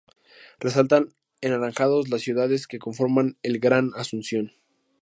Resaltan en anaranjado las ciudades que conforman el Gran Asunción.